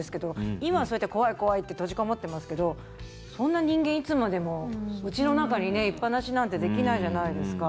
今はそうやって怖い、怖いって閉じこもってますけどそんなに人間、いつまでもうちの中にいっぱなしなんてできないじゃないですか。